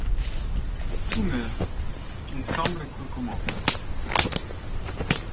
Tout meurt. Il semble que commence